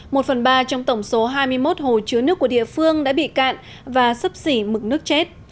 một phần ba trong tổng số hai mươi một hồ chứa nước của địa phương đã bị cạn và sấp xỉ mực nước chết